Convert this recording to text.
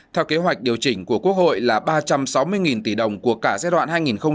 theo kế hoạch điều chỉnh của quốc hội là ba trăm sáu mươi tỷ đồng của cả giai đoạn hai nghìn một mươi sáu hai nghìn hai mươi